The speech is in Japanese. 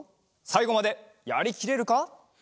さいごまでやりきれるか？